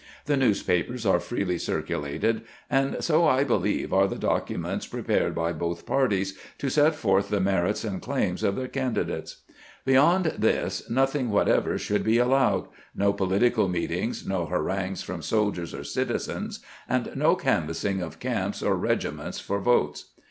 The newspapers are freely circulated, and so, I believe, are the documents prepared by both parties to set forth the merits and claims of their candi dates. Beyond this, nothing whatever should be allowed — no politi cal meetings, no harangues from soldiers or citizens, and no canvassing of camps or regiments for votes.